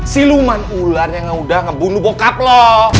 si luman ular yang udah ngebunuh bokap lo